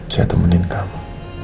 saya temenin kamu